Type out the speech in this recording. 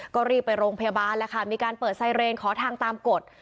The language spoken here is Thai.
ก็รีบไปโรงพยาบาลแล้วค่ะมีการเปิดไซเรนขอทางตามกฎ